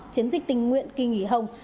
chiến dịch tỉnh nguyện kỳ nghỉ hồng